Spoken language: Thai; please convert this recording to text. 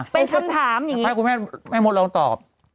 เป็นคำถามอย่างนี้